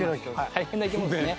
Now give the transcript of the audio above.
大変な生き物ですね。